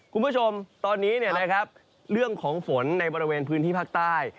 คุณผู้ชมตอนนี้เรื่องของฝนในบริเวณพื้นที่ภาคใต้